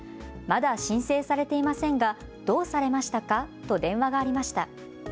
まだ申請されていませんがどうされましたかと電話がありました。